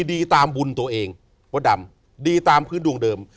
ดีตามบุญตัวเองมดดำดีตามพื้นดวงเดิม